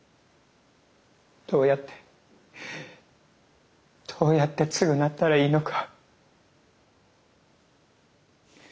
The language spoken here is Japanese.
どうやってどうやって償ったらいいのか。